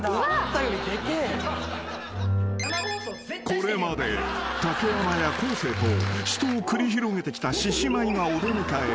［これまで竹山や昴生と死闘を繰り広げてきた獅子舞がお出迎え。